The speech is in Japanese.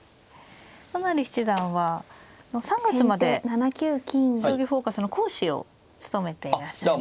都成七段は３月まで「将棋フォーカス」の講師を務めていらっしゃいましたね。